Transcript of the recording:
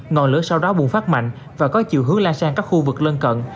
ngọn lửa sau đó bùng phát mạnh và có chiều hướng lan sang các khu vực lân cận